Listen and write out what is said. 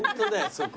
そこ。